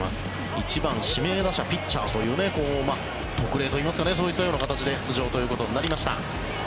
１番指名打者ピッチャーという特例といいますかそういったような形で出場ということになりました。